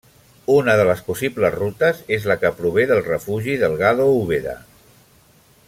Una de les possibles rutes és la que prové del refugi Delgado Úbeda.